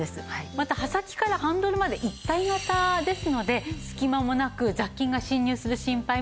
また刃先からハンドルまで一体型ですので隙間もなく雑菌が侵入する心配もありません。